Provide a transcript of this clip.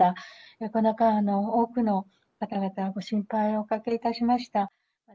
なかなか多くの方々にご心配をおかけいたしました。